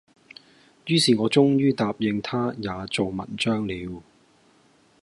于是我終于答應他也做文章了，